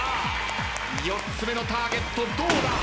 ４つ目のターゲットどうだ！？